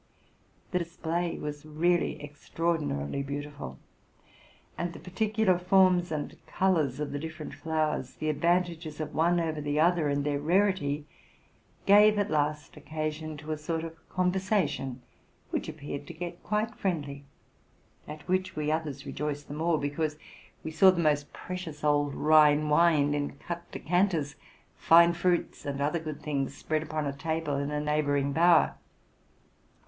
The display was really extfaor dinarily beautiful: and the particular forms and colors of the different flowers, the advantages of one over the other, and their rarity, gave at last occasion to a sort of conversation which appeared to get quite friendly; at which we others rejoiced the more because we saw the most precious old Rhine wine in cut decanters, fine fruits, and other good things spread upon a table in a neighboring bower.